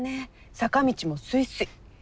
坂道もスイスイ。